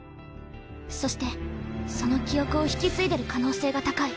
そしてその記憶を引き継いでる可能性が高い。